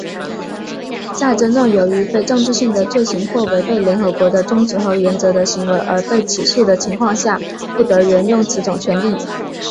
在真正由于非政治性的罪行或违背联合国的宗旨和原则的行为而被起诉的情况下,不得援用此种权利。